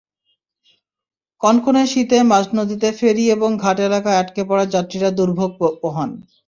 কনকনে শীতে মাঝনদীতে ফেরি এবং ঘাট এলাকায় আটকা পড়া যাত্রীরা দুর্ভোগ পোহান।